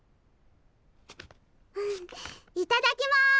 んいただきます！